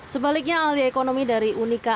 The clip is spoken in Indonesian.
sebaliknya ahli ekonomi dari unika